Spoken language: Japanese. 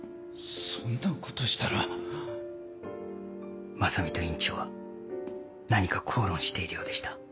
そんなことしたら正美と院長は何か口論しているようでした。